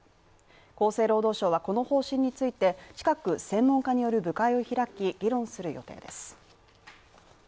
厚生労働省はこの方針について、近く専門家による部会を開き、議論する予定です。